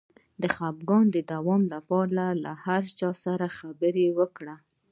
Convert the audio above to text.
د خپګان د دوام لپاره له چا سره خبرې وکړم؟